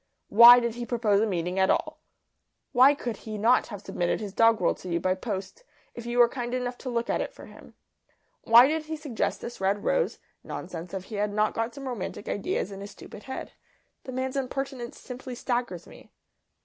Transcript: Why did he propose a meeting at all? Why could he not have submitted his doggerel to you by post, if you were kind enough to look at it for him? Why did he suggest this red rose nonsense if he had not got some romantic ideas in his stupid head? The man's impertinence simply staggers me."